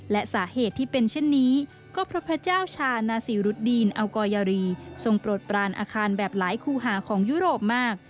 และสาเหตุที่เป็นเช่นนี้ก็เพราะพระเจ้าชานาซีรุดดีนอัลกอยารีทรงโปรดปรานอาคารแบบหลายคู่หาของยุโรปมาก